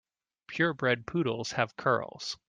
Pure bred poodles have curls.